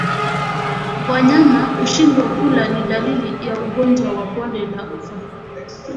Wanyama kushindwa kula ni dalili ya ugonjwa wa bonde la ufa